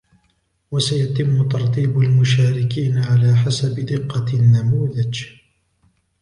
وسيتم ترتيب المشاركين على حسب دقة النموذج